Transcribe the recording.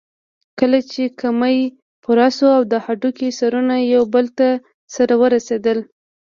کله چې کمى پوره شو او د هډوکي سرونه يو بل ته سره ورسېدل.